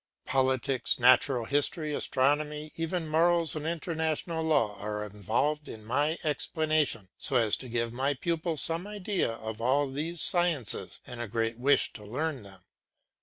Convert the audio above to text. Politics, natural history, astronomy, even morals and international law are involved in my explanation, so as to give my pupil some idea of all these sciences and a great wish to learn them.